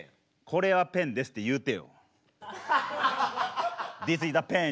これはペンですって言うて。